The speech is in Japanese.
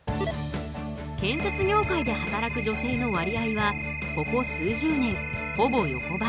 建設業界で働く女性の割合はここ数十年ほぼ横ばい。